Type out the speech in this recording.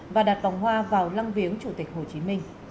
và đặt vòng hoa vào lăng viếng chủ tịch hồ chí minh